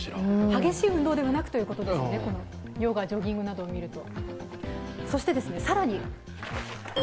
激しい運動ではなくということですね、ヨガ、ジョギングなどを見ると。